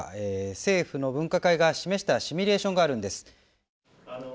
政府の分科会が示したシミュレーションがあるんです。